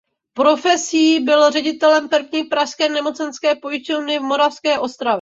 Profesí byl ředitelem První pražské nemocenské pojišťovny v Moravské Ostravě.